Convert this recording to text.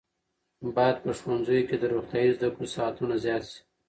باید په ښوونځیو کې د روغتیايي زده کړو ساعتونه زیات شي.